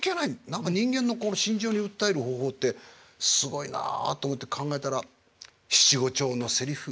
何か人間の心情に訴える方法ってすごいなっと思って考えたら七五調のセリフ。